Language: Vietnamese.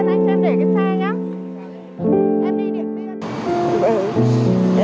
anh ơi anh ơi em đi điện viên anh cho em để cái xe nhé